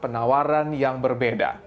penawaran yang berbeda